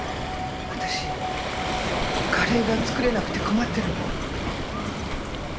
「私カレーが作れなくて困ってるの」